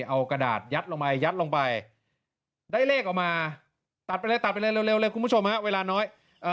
เอากระดาษยัดลงไปได้เลขออกมาตัดไปเร็วคุณผู้ชมเวลาน้อย